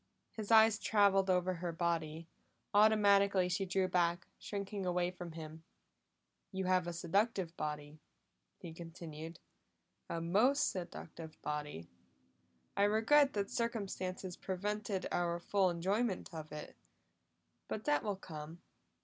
His eyes traveled over her body; automatically she drew back, shrinking away from him. "You have a seductive body," he continued. "A most seductive body; I regret that circumstances prevented our full enjoyment of it. But that will come.